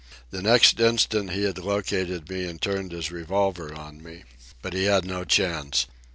The next instant he had located me and turned his revolver on me. But he had no chance.